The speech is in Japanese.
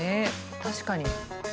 確かに。